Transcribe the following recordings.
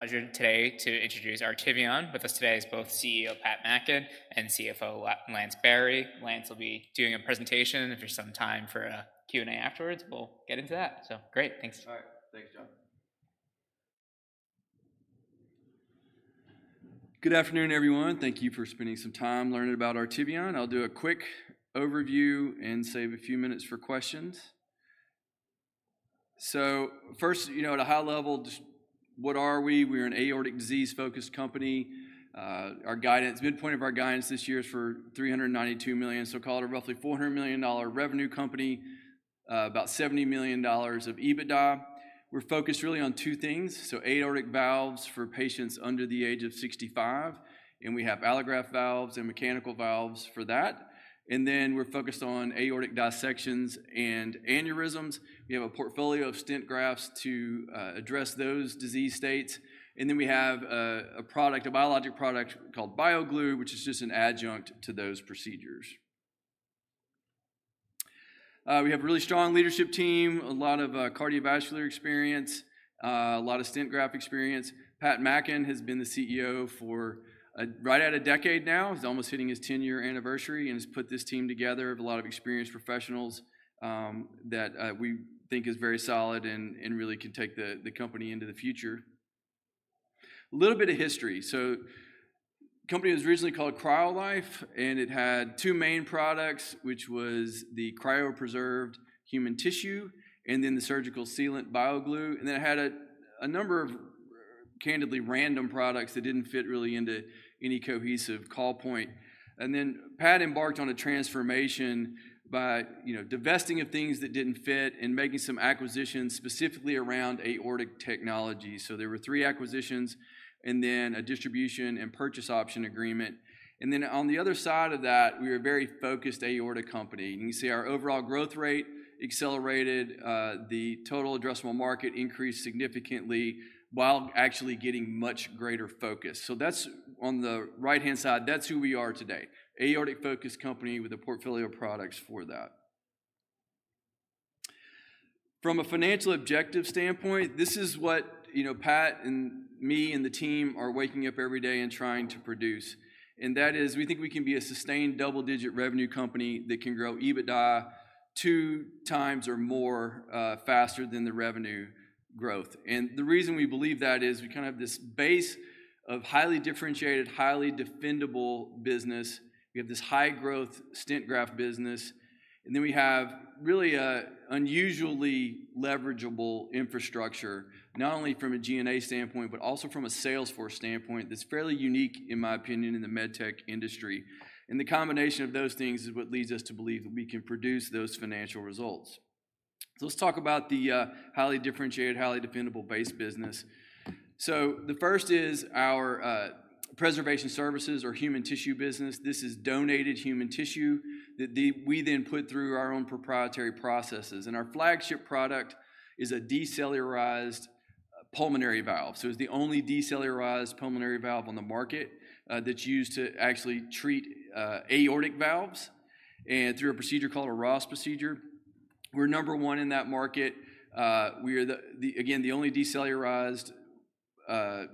Pleasure today to introduce Artivion. With us today is both CEO Pat Mackin and CFO Lance Berry. Lance will be doing a presentation. If there's some time for a Q&A afterwards, we'll get into that. So great, thanks. All right. Thanks, John. Good afternoon, everyone. Thank you for spending some time learning about Artivion. I'll do a quick overview and save a few minutes for questions. First, you know, at a high level, just what are we? We're an aortic disease-focused company. Our guidance, midpoint of our guidance this year is for $392 million, so call it a roughly $400 million revenue company, about $70 million of EBITDA. We're focused really on two things: so aortic valves for patients under the age of 65, and we have allograft valves and mechanical valves for that. Then we're focused on aortic dissections and aneurysms. We have a portfolio of stent grafts to address those disease states, and then we have a product, a biologic product called BioGlue, which is just an adjunct to those procedures. We have a really strong leadership team, a lot of cardiovascular experience, a lot of stent graft experience. Pat Mackin has been the CEO for right at a decade now. He's almost hitting his ten-year anniversary and has put this team together of a lot of experienced professionals, that we think is very solid and really can take the company into the future. A little bit of history. So the company was originally called CryoLife, and it had two main products, which was the cryopreserved human tissue and then the surgical sealant, BioGlue, and then it had a number of candidly random products that didn't fit really into any cohesive call point. And then Pat embarked on a transformation by, you know, divesting of things that didn't fit and making some acquisitions, specifically around aortic technology. So there were three acquisitions, and then a distribution and purchase option agreement. And then on the other side of that, we were a very focused aortic company. You can see our overall growth rate accelerated, the total addressable market increased significantly, while actually getting much greater focus. So that's on the right-hand side, that's who we are today, aortic-focused company with a portfolio of products for that. From a financial objective standpoint, this is what, you know, Pat and me and the team are waking up every day and trying to produce, and that is, we think we can be a sustained double-digit revenue company that can grow EBITDA two times or more, faster than the revenue growth. And the reason we believe that is we kind of have this base of highly differentiated, highly defendable business. We have this high-growth stent graft business, and then we have really a unusually leverageable infrastructure, not only from a G&A standpoint, but also from a sales force standpoint, that's fairly unique, in my opinion, in the med tech industry. And the combination of those things is what leads us to believe that we can produce those financial results. So let's talk about the highly differentiated, highly dependable base business. So the first is our preservation services or human tissue business. This is donated human tissue that we then put through our own proprietary processes, and our flagship product is a decellularized pulmonary valve. So it's the only decellularized pulmonary valve on the market that's used to actually treat aortic valves and through a procedure called a Ross procedure. We're number one in that market. We are again the only decellularized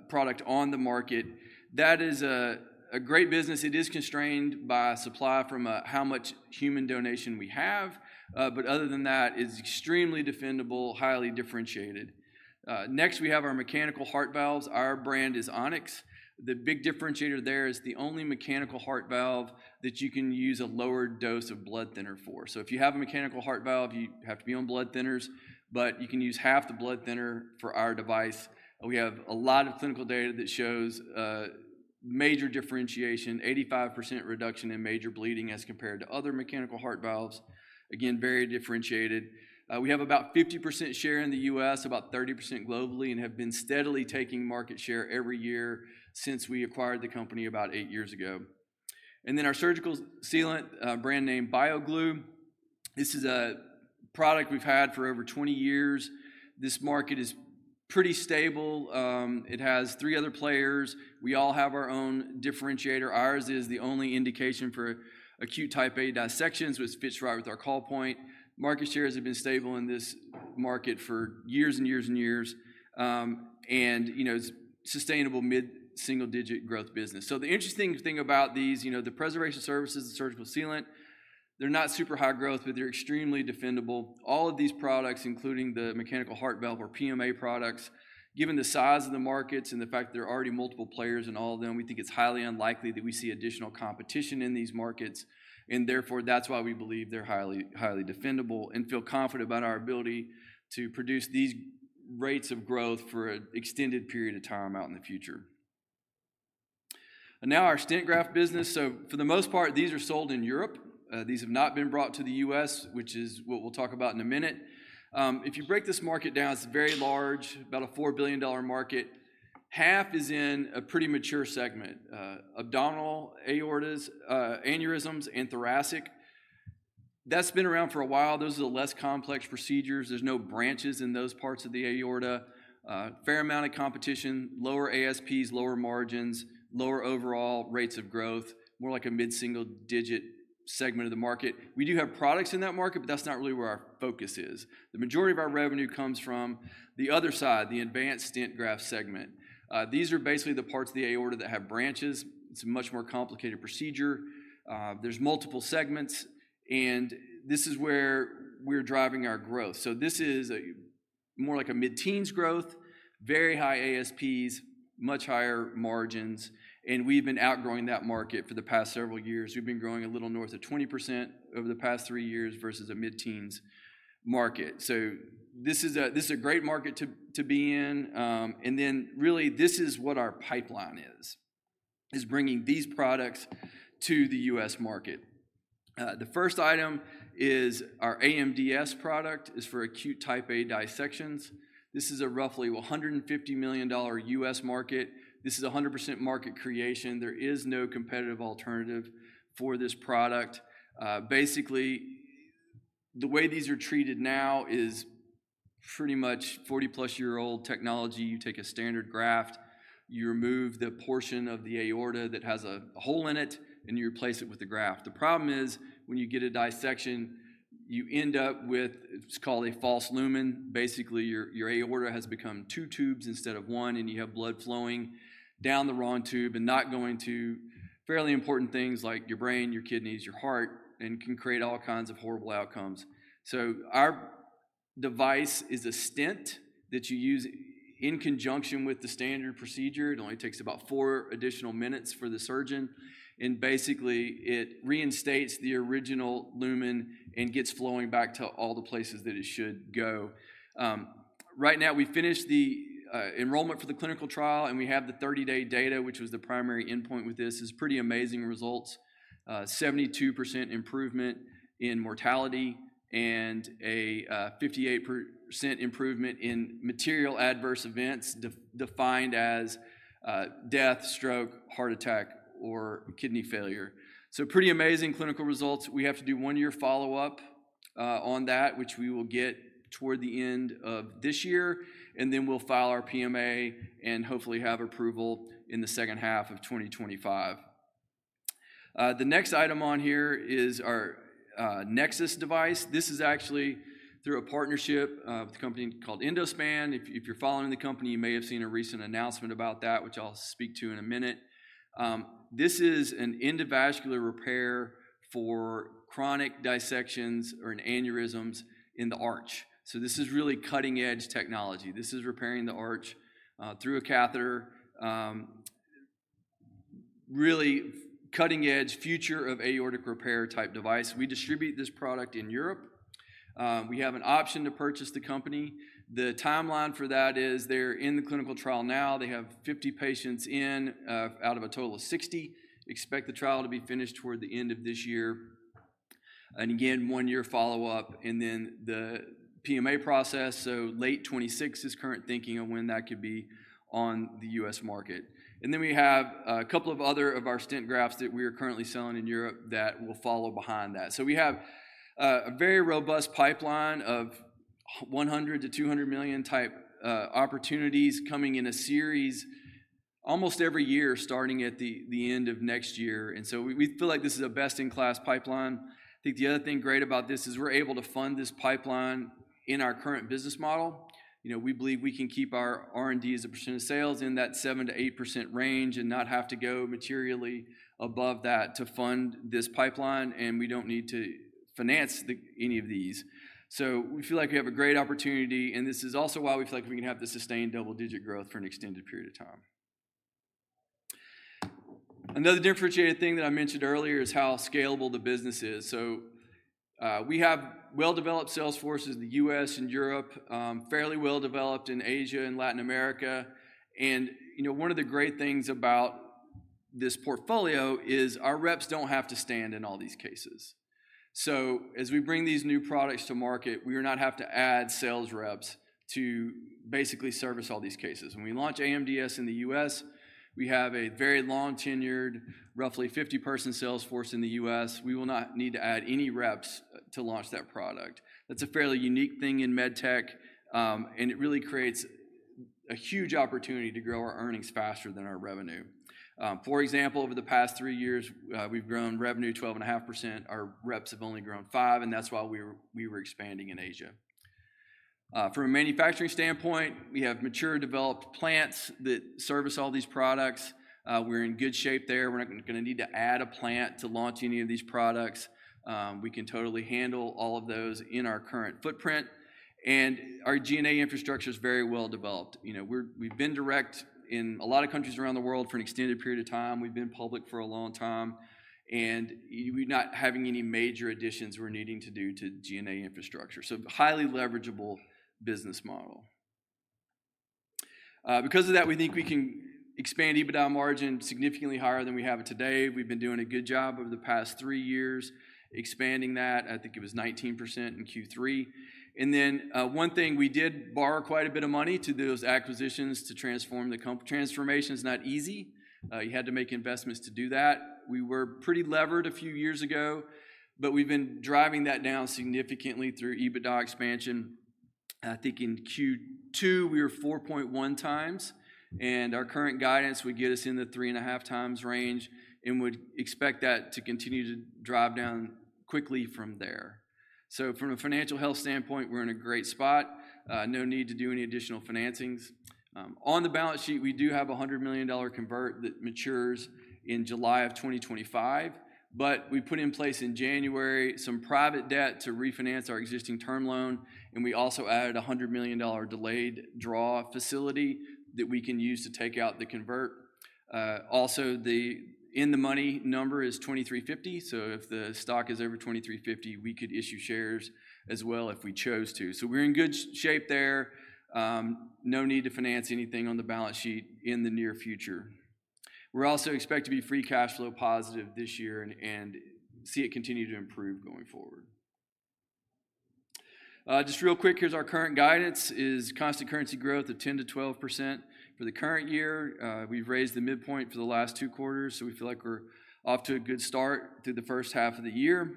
product on the market. That is a great business. It is constrained by supply from how much human donation we have, but other than that, it's extremely defendable, highly differentiated. Next, we have our mechanical heart valves. Our brand is On-X. The big differentiator there is the only mechanical heart valve that you can use a lower dose of blood thinner for. So if you have a mechanical heart valve, you have to be on blood thinners, but you can use half the blood thinner for our device. We have a lot of clinical data that shows major differentiation, 85% reduction in major bleeding as compared to other mechanical heart valves. Again, very differentiated. We have about 50% share in the U.S., about 30% globally, and have been steadily taking market share every year since we acquired the company about 8 years ago. And then our surgical sealant, brand name BioGlue, this is a product we've had for over 20 years. This market is pretty stable. It has three other players. We all have our own differentiator. Ours is the only indication for acute Type A dissections, which fits right with our call point. Market shares have been stable in this market for years and years and years, and, you know, sustainable mid-single-digit growth business. So the interesting thing about these, you know, the preservation services and surgical sealant, they're not super high growth, but they're extremely defendable. All of these products, including the mechanical heart valve or PMA products, given the size of the markets and the fact that there are already multiple players in all of them, we think it's highly unlikely that we see additional competition in these markets. And therefore, that's why we believe they're highly, highly defendable and feel confident about our ability to produce these rates of growth for an extended period of time out in the future. And now our stent graft business. So for the most part, these are sold in Europe. These have not been brought to the U.S., which is what we'll talk about in a minute. If you break this market down, it's very large, about a $4 billion market. Half is in a pretty mature segment, abdominal aortic aneurysms, and thoracic.... That's been around for a while. Those are the less complex procedures. There's no branches in those parts of the aorta. Fair amount of competition, lower ASPs, lower margins, lower overall rates of growth, more like a mid-single-digit segment of the market. We do have products in that market, but that's not really where our focus is. The majority of our revenue comes from the other side, the advanced stent graft segment. These are basically the parts of the aorta that have branches. It's a much more complicated procedure. There's multiple segments, and this is where we're driving our growth. So this is a more like a mid-teens growth, very high ASPs, much higher margins, and we've been outgrowing that market for the past several years. We've been growing a little north of 20% over the past three years versus a mid-teens market. So this is a great market to be in, and then really this is what our pipeline is bringing these products to the US market. The first item is our AMDS product for acute Type A dissections. This is a roughly $150 million US market. This is 100% market creation. There is no competitive alternative for this product. Basically, the way these are treated now is pretty much 40+-year-old technology. You take a standard graft, you remove the portion of the aorta that has a hole in it, and you replace it with the graft. The problem is, when you get a dissection, you end up with... It's called a false lumen. Basically, your aorta has become two tubes instead of one, and you have blood flowing down the wrong tube and not going to fairly important things like your brain, your kidneys, your heart, and can create all kinds of horrible outcomes. So our device is a stent that you use in conjunction with the standard procedure. It only takes about 4 additional minutes for the surgeon, and basically, it reinstates the original lumen and gets flowing back to all the places that it should go. Right now, we finished the enrollment for the clinical trial, and we have the 30-day data, which was the primary endpoint with this. It's pretty amazing results, 72% improvement in mortality and a 58% improvement in material adverse events, defined as death, stroke, heart attack, or kidney failure. So pretty amazing clinical results. We have to do one-year follow-up on that, which we will get toward the end of this year, and then we'll file our PMA and hopefully have approval in the second half of 2025. The next item on here is our NEXUS device. This is actually through a partnership with a company called Endospan. If you're following the company, you may have seen a recent announcement about that, which I'll speak to in a minute. This is an endovascular repair for chronic dissections or in aneurysms in the arch. So this is really cutting-edge technology. This is repairing the arch through a catheter. Really cutting-edge, future of aortic repair type device. We distribute this product in Europe. We have an option to purchase the company. The timeline for that is they're in the clinical trial now. They have 50 patients in out of a total of 60. Expect the trial to be finished toward the end of this year. And again, 1-year follow-up, and then the PMA process, so late 2026 is current thinking of when that could be on the US market. And then we have a couple of other of our stent grafts that we are currently selling in Europe that will follow behind that. So we have a very robust pipeline of $100 million-$200 million type opportunities coming in a series almost every year, starting at the end of next year. And so we feel like this is a best-in-class pipeline. I think the other thing great about this is we're able to fund this pipeline in our current business model. You know, we believe we can keep our R&D as a percent of sales in that 7%-8% range and not have to go materially above that to fund this pipeline, and we don't need to finance the, any of these. So we feel like we have a great opportunity, and this is also why we feel like we can have the sustained double-digit growth for an extended period of time. Another differentiated thing that I mentioned earlier is how scalable the business is. So, we have well-developed sales forces in the US and Europe, fairly well-developed in Asia and Latin America. And you know, one of the great things about this portfolio is our reps don't have to stand in all these cases. As we bring these new products to market, we will not have to add sales reps to basically service all these cases. When we launch AMDS in the U.S., we have a very long-tenured, roughly 50-person sales force in the U.S. We will not need to add any reps to launch that product. That's a fairly unique thing in med tech, and it really creates a huge opportunity to grow our earnings faster than our revenue. For example, over the past three years, we've grown revenue 12.5%. Our reps have only grown 5%, and that's why we were expanding in Asia. From a manufacturing standpoint, we have mature, developed plants that service all these products. We're in good shape there. We're not gonna need to add a plant to launch any of these products. We can totally handle all of those in our current footprint, and our G&A infrastructure is very well-developed. You know, we've been direct in a lot of countries around the world for an extended period of time. We've been public for a long time, and we're not having any major additions we're needing to do to G&A infrastructure. So highly leverageable business model. Because of that, we think we can expand EBITDA margin significantly higher than we have it today. We've been doing a good job over the past three years, expanding that, I think it was 19% in Q3. And then, one thing, we did borrow quite a bit of money to do those acquisitions, to transform the company. Transformation is not easy. You had to make investments to do that. We were pretty levered a few years ago, but we've been driving that down significantly through EBITDA expansion. I think in Q2, we were 4.1x, and our current guidance would get us in the 3.5x range and would expect that to continue to drive down quickly from there. So from a financial health standpoint, we're in a great spot. No need to do any additional financings. On the balance sheet, we do have a $100 million convert that matures in July 2025, but we put in place in January some private debt to refinance our existing term loan, and we also added a $100 million delayed draw facility that we can use to take out the convert. Also, the in-the-money number is $23.50, so if the stock is over $23.50, we could issue shares as well if we chose to. So we're in good shape there. No need to finance anything on the balance sheet in the near future. We're also expect to be free cash flow positive this year and see it continue to improve going forward. Just real quick, here's our current guidance is constant currency growth of 10%-12% for the current year. We've raised the midpoint for the last two quarters, so we feel like we're off to a good start through the first half of the year.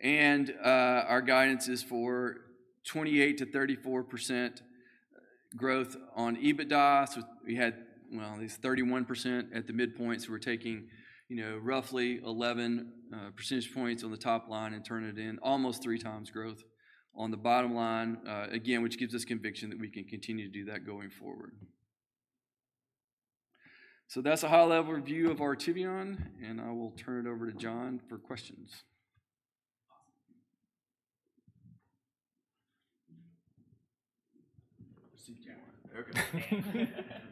And our guidance is for 28%-34% growth on EBITDA. So we had, well, at least 31% at the midpoint, so we're taking, you know, roughly 11 percentage points on the top line and turn it in almost 3x growth on the bottom line. Again, which gives us conviction that we can continue to do that going forward. So that's a high-level review of Artivion, and I will turn it over to John for questions. Awesome. I see a camera. Okay.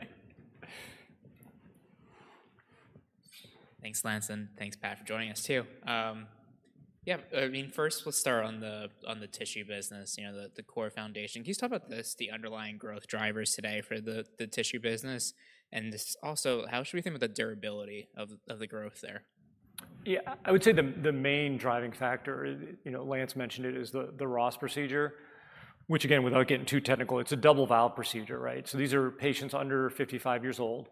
Thanks, Lance, and thanks, Pat, for joining us, too. Yeah, I mean, first, we'll start on the tissue business, you know, the core foundation. Can you talk about the underlying growth drivers today for the tissue business? And just also, how should we think about the durability of the growth there? Yeah, I would say the main driving factor, you know, Lance mentioned it, is the Ross procedure, which again, without getting too technical, it's a double valve procedure, right? So these are patients under 55 years old,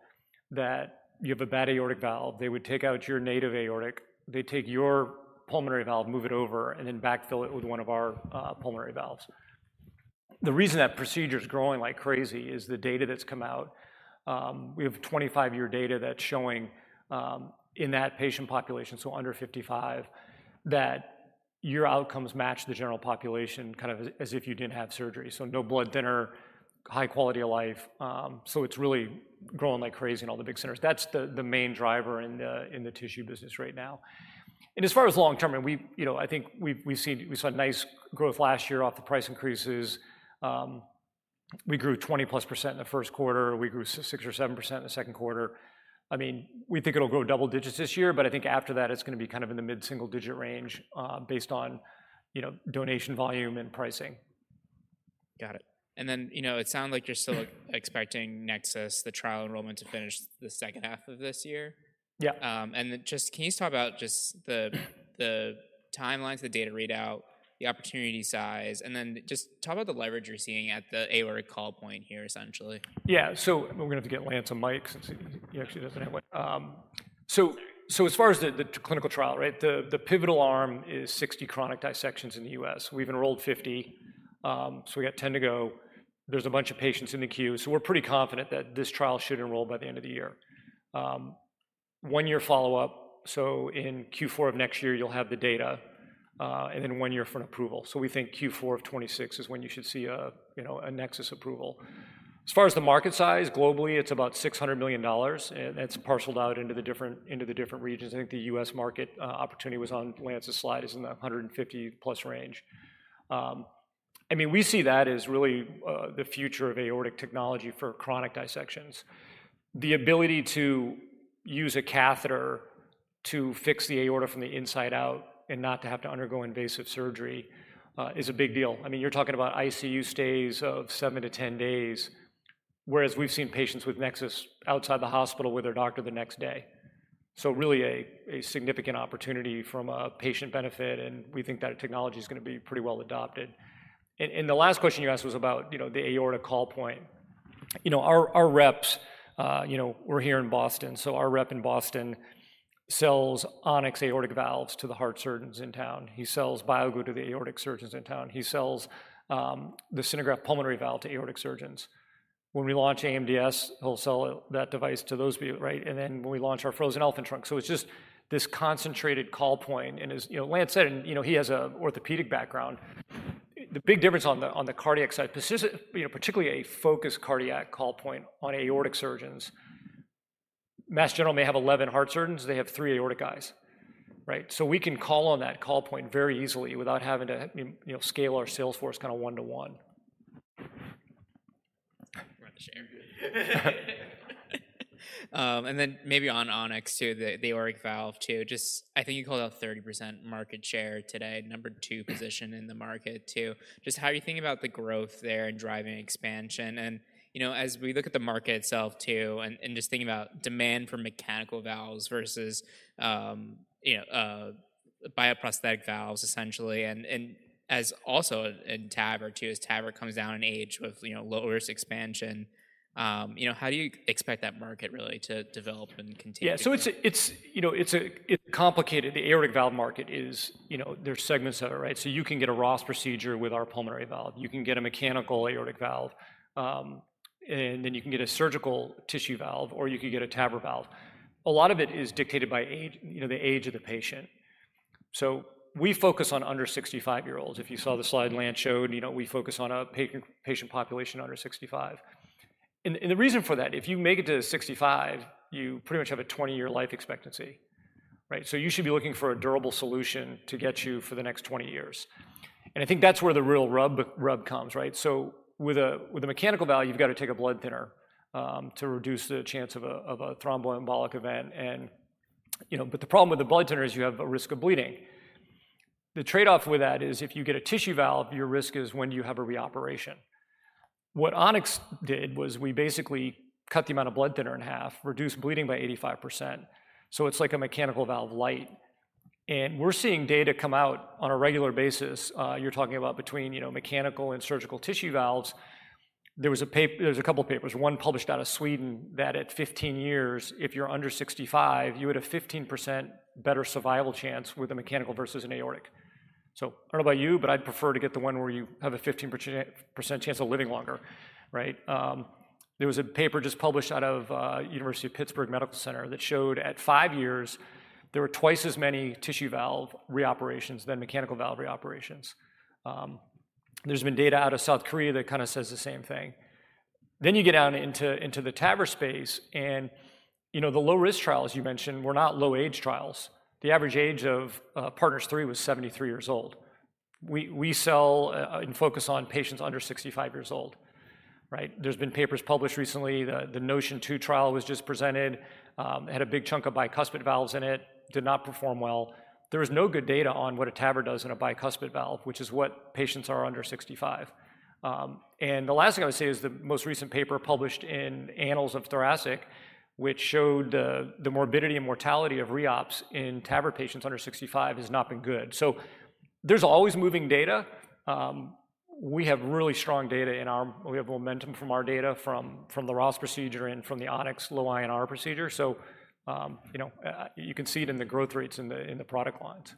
that you have a bad aortic valve. They would take out your native aortic, they take your pulmonary valve, move it over, and then backfill it with one of our pulmonary valves. The reason that procedure is growing like crazy is the data that's come out. We have 25-year data that's showing, in that patient population, so under 55, that your outcomes match the general population, kind of as if you didn't have surgery. So no blood thinner, high quality of life, so it's really growing like crazy in all the big centers. That's the main driver in the tissue business right now. And as far as long term, you know, I think we've seen-- we saw nice growth last year off the price increases. We grew 20+% in the first quarter. We grew 6%-7% in the second quarter. I mean, we think it'll grow double digits this year, but I think after that, it's gonna be kind of in the mid-single digit range, based on, you know, donation volume and pricing. Got it. And then, you know, it sounds like you're still expecting NEXUS, the trial enrollment, to finish the second half of this year? Yeah. And then just can you talk about just the timelines, the data readout, the opportunity size, and then just talk about the leverage you're seeing at the aortic call point here, essentially? Yeah. So we're going to have to get Lance a mic since he actually doesn't have one. So as far as the clinical trial, right? The pivotal arm is 60 chronic dissections in the U.S. We've enrolled 50, so we got 10 to go. There's a bunch of patients in the queue, so we're pretty confident that this trial should enroll by the end of the year. One year follow-up, so in Q4 of next year, you'll have the data, and then one year for an approval. So we think Q4 of 2026 is when you should see a, you know, a NEXUS approval. As far as the market size, globally, it's about $600 million, and it's parceled out into the different, into the different regions. I think the U.S. market opportunity was on Lance's slide, is in the $150+ range. I mean, we see that as really the future of aortic technology for chronic dissections. The ability to use a catheter to fix the aorta from the inside out and not to have to undergo invasive surgery is a big deal. I mean, you're talking about ICU stays of 7-10 days, whereas we've seen patients with NEXUS outside the hospital with their doctor the next day. So really a significant opportunity from a patient benefit, and we think that technology is gonna be pretty well adopted. And the last question you asked was about, you know, the aortic call point. You know, our reps, you know, we're here in Boston, so our rep in Boston sells On-X aortic valves to the heart surgeons in town. He sells BioGlue to the aortic surgeons in town. He sells the SynerGraft pulmonary valve to aortic surgeons. When we launch AMDS, he'll sell that device to those people, right? And then when we launch our frozen elephant trunk. So it's just this concentrated call point, and as you know, Lance said, and you know, he has an orthopedic background. The big difference on the cardiac side, you know, particularly a focused cardiac call point on aortic surgeons, Mass General may have 11 heart surgeons, they have 3 aortic guys, right? So we can call on that call point very easily without having to, you know, scale our sales force kind of one to one. And then maybe on On-X, too, the aortic valve, too. Just I think you called out 30% market share today, number two position in the market, too. Just how are you thinking about the growth there and driving expansion? And, you know, as we look at the market itself, too, and, and just thinking about demand for mechanical valves versus, you know, bioprosthetic valves, essentially, and, and as also in TAVR, too, as TAVR comes down in age with, you know, low-risk expansion, you know, how do you expect that market really to develop and continue to- Yeah. So it's, you know, it's complicated. The aortic valve market is, you know, there's segments that are, right? So you can get a Ross procedure with our pulmonary valve. You can get a mechanical aortic valve, and then you can get a surgical tissue valve, or you could get a TAVR valve. A lot of it is dictated by age, you know, the age of the patient. So we focus on under 65-year-olds. If you saw the slide Lance showed, you know, we focus on a patient population under 65. And the reason for that, if you make it to 65, you pretty much have a 20-year life expectancy, right? So you should be looking for a durable solution to get you for the next 20 years. And I think that's where the real rub comes, right? So with a mechanical valve, you've got to take a blood thinner, to reduce the chance of a thromboembolic event and, you know, but the problem with the blood thinner is you have a risk of bleeding. The trade-off with that is if you get a tissue valve, your risk is when you have a reoperation. What On-X did was we basically cut the amount of blood thinner in half, reduced bleeding by 85%, so it's like a mechanical valve lite. And we're seeing data come out on a regular basis. You're talking about between, you know, mechanical and surgical tissue valves. There was a paper. There was a couple of papers, one published out of Sweden, that at 15 years, if you're under 65, you had a 15% better survival chance with a mechanical versus an aortic. So I don't know about you, but I'd prefer to get the one where you have a 15% chance of living longer, right? There was a paper just published out of University of Pittsburgh Medical Center that showed at five years, there were twice as many tissue valve reoperations than mechanical valve reoperations. There's been data out of South Korea that kinda says the same thing. Then you get down into the TAVR space and, you know, the low-risk trials you mentioned were not low-age trials. The average age of PARTNER 3 was 73 years old. We sell and focus on patients under 65 years old, right? There's been papers published recently. The NOTION-2 trial was just presented, had a big chunk of bicuspid valves in it, did not perform well. There is no good data on what a TAVR does in a bicuspid valve, which is what patients are under 65. And the last thing I would say is the most recent paper published in Annals of Thoracic, which showed the, the morbidity and mortality of reops in TAVR patients under 65 has not been good. So there's always moving data. We have really strong data in our. We have momentum from our data from the Ross procedure and from the On-X low INR procedure. So, you know, you can see it in the growth rates in the product lines.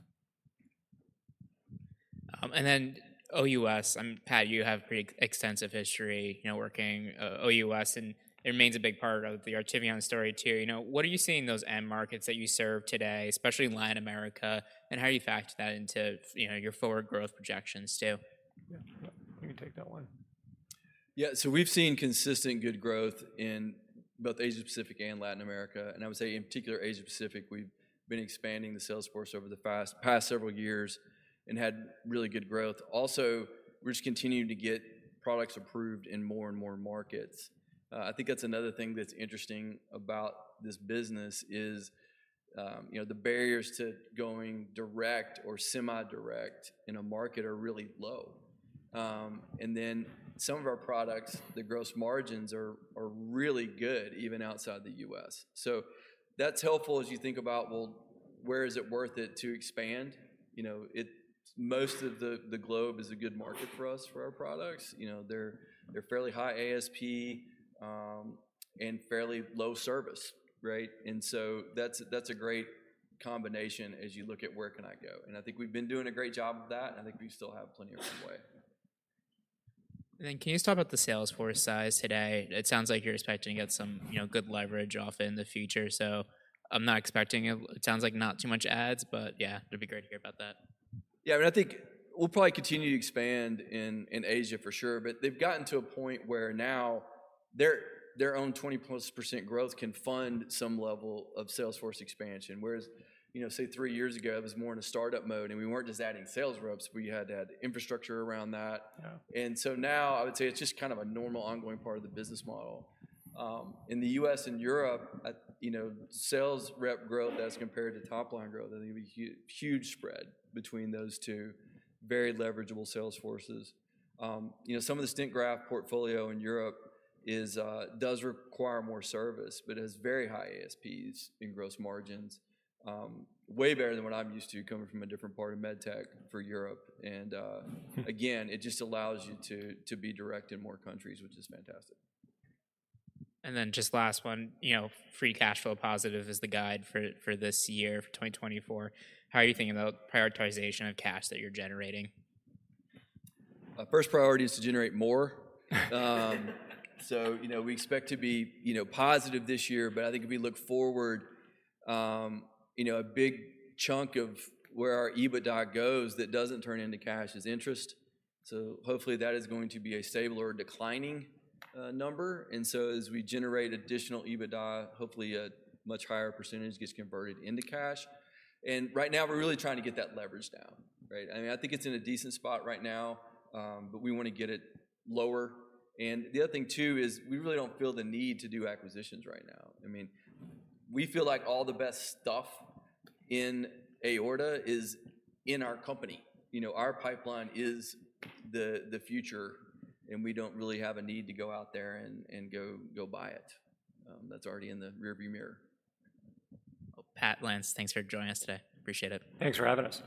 And then OUS, and Pat, you have pretty extensive history, you know, working, OUS, and it remains a big part of the Artivion story, too. You know, what are you seeing in those end markets that you serve today, especially Latin America, and how do you factor that into, you know, your forward growth projections, too? Yeah. Yeah, you can take that one. Yeah, so we've seen consistent good growth in both Asia-Pacific and Latin America, and I would say in particular, Asia-Pacific, we've been expanding the sales force over the past several years and had really good growth. Also, we're just continuing to get products approved in more and more markets. I think that's another thing that's interesting about this business is, you know, the barriers to going direct or semi-direct in a market are really low. And then some of our products, the gross margins are really good, even outside the U.S. So that's helpful as you think about, well, where is it worth it to expand? You know, most of the globe is a good market for us, for our products. You know, they're fairly high ASP, and fairly low service, right? And so that's, that's a great combination as you look at where can I go? And I think we've been doing a great job of that, and I think we still have plenty of room way. And then can you talk about the sales force size today? It sounds like you're expecting to get some, you know, good leverage off in the future, so I'm not expecting it. It sounds like not too much adds, but yeah, it'd be great to hear about that. Yeah, and I think we'll probably continue to expand in Asia for sure, but they've gotten to a point where now their own 20%+ growth can fund some level of sales force expansion. Whereas, you know, say, three years ago, it was more in a startup mode, and we weren't just adding sales reps, we had to add the infrastructure around that. And so now I would say it's just kind of a normal, ongoing part of the business model. In the U.S. and Europe, I, you know, sales rep growth as compared to top-line growth, I think would be a huge spread between those two very leverageable sales forces. You know, some of the stent graft portfolio in Europe is, does require more service, but has very high ASPs in gross margins. Way better than what I'm used to, coming from a different part of med tech for Europe. And, again, it just allows you to, to be direct in more countries, which is fantastic. And then just last one, you know, free cash flow positive is the guide for this year, for 2024. How are you thinking about prioritization of cash that you're generating? First priority is to generate more. So, you know, we expect to be, you know, positive this year, but I think if we look forward, you know, a big chunk of where our EBITDA goes that doesn't turn into cash is interest. So hopefully, that is going to be a stable or declining, number. And so as we generate additional EBITDA, hopefully a much higher percentage gets converted into cash. And right now, we're really trying to get that leverage down, right? I mean, I think it's in a decent spot right now, but we wanna get it lower. And the other thing, too, is we really don't feel the need to do acquisitions right now. I mean, we feel like all the best stuff in aorta is in our company. You know, our pipeline is the future, and we don't really have a need to go out there and go buy it. That's already in the rearview mirror. Well, Pat, Lance, thanks for joining us today. Appreciate it. Thanks for having us.